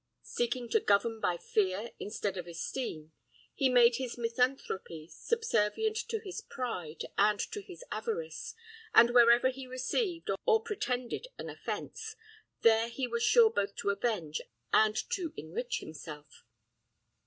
Seeking to govern by fear instead of esteem, he made his misanthropy subservient to his pride and to his avarice; and wherever he received or pretended an offence, there he was sure both to avenge and to enrich himself.